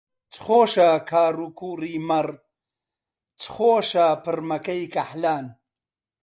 چ خۆشە کاڕ و کووڕی مەڕ، چ خۆشە پڕمەکەی کەحلان